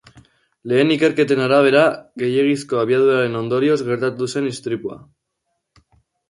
Lehen ikerketen arabera, gehiegizko abiaduraren ondorioz gertatu zen istripua.